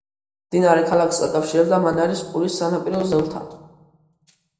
მდინარე ქალაქს აკავშირებდა მანარის ყურის სანაპირო ზოლთან.